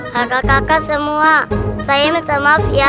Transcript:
kakak kakak semua saya ini minta maaf ya